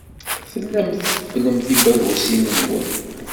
Tellam tqefflem tibagusin-nwen.